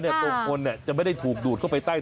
คือเมื่อกี้ความเร็ว๘ดอตใช่ไหม